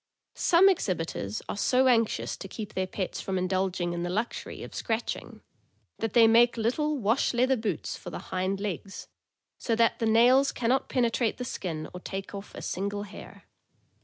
Some exhibitors are so anxious to keep their pets from indulging in the luxury of scratch ing that they make little wash leather boots for the hind legs, so that the nails can not penetrate the skin or take off a single hair.